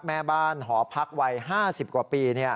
แม่บ้านหอพักวัย๕๐กว่าปี